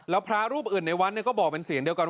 แล้วพระรูปอื่นในวัดก็บอกเป็นเสียงเดียวกันว่า